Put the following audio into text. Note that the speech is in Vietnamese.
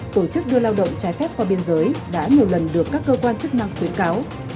tổ chức đưa lao động trái phép qua biên giới đã nhiều lần được các cơ quan chức năng khuyến cáo